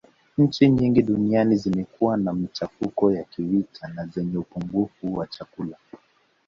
Nchi nyingi duniani zimekuwa na machafuko ya kivita na zenye upungufu wa chakula